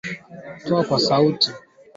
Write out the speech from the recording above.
Kuhamahama kwa mifugo huchangia homa ya mapafu